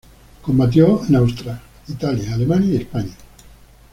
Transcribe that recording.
Combatió en Austria, Italia, Alemania y en España.